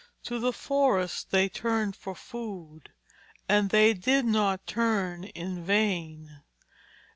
To the forests they turned for food, and they did not turn in vain.